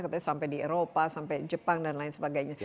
katanya sampai di eropa sampai jepang dan lain sebagainya